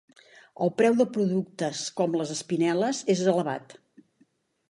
El preu de productes com les espinel·les és elevat.